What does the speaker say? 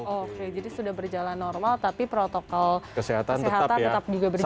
oke jadi sudah berjalan normal tapi protokol kesehatan tetap juga berjalan